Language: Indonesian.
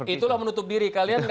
itulah menutup diri kalian tidak mau